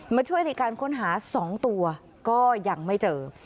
มาช่วยในการค้นหา๒ตัวก็ยังไม่เจอ